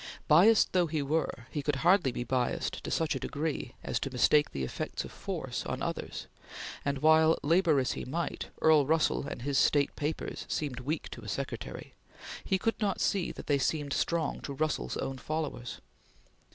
Biassed though he were, he could hardly be biassed to such a degree as to mistake the effects of force on others, and while labor as he might Earl Russell and his state papers seemed weak to a secretary, he could not see that they seemed strong to Russell's own followers.